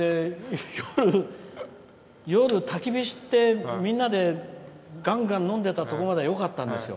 夜、たき火して、みんなでがんがん飲んでたところまではよかったんですよ。